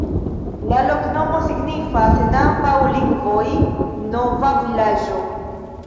La loknomo signifas en ambaŭ lingvoj: nova vilaĝo.